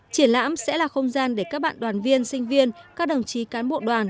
triển lãm sẽ là không gian để các bạn đoàn viên sinh viên các đồng chí cán bộ đoàn